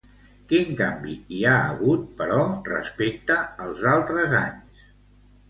Quin canvi hi ha hagut, però, respecte als altres anys?